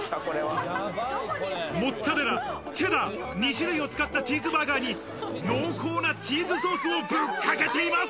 モッツァレラ、チェダー、２種類を使ったチーズバーガーに、濃厚なチーズソースをぶっかけています。